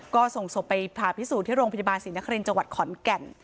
ก็ส่งศพไปผ่าพิสูจน์ที่โรงพยาบาลสินคลินจขอนแก่น